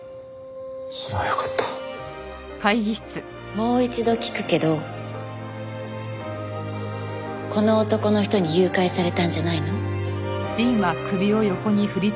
もう一度聞くけどこの男の人に誘拐されたんじゃないの？